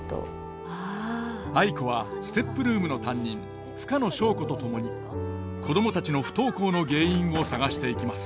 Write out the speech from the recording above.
藍子はＳＴＥＰルームの担任深野祥子と共に子供たちの不登校の原因を探していきます。